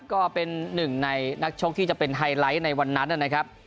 ก็เป็นหนึ่งในนักชกที่จะเป็นไฮไลท์ในวันนั้นนะครับ